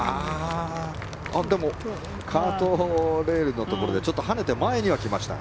でも、カートレールのところでちょっと跳ねて前には来ました。